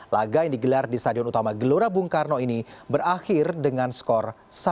laga yang digelar di stadion utama gelora bung karno ini berakhir dengan skor satu